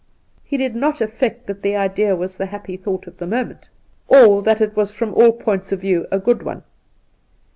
He did not affect that the idea was the happy thought of the moment, or that it was from all points of view a good one.